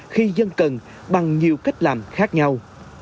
khi dân cần bằng nhiều cách làm khác nhau